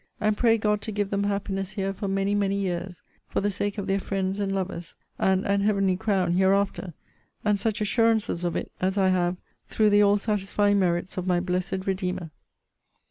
And pray God to give them happiness here for many, many years, for the sake of their friends and lovers; and an heavenly crown hereafter; and such assurances of it, as I have, through the all satisfying merits of my blessed Redeemer.